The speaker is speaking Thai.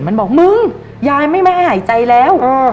มันบอกมึงยายไม่ไม่หายใจแล้ว